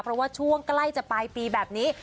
เพราะว่าช่วงใกล้จะปลายปีแบบนี้